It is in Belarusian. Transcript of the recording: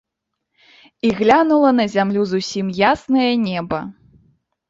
І глянула на зямлю зусім яснае неба.